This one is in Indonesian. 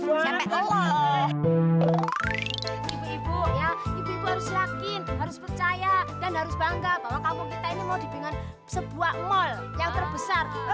ibu ibu ya ibu ibu harus yakin harus percaya dan harus bangga bahwa kampung kita ini mau dibikinkan sebuah mall yang terbesar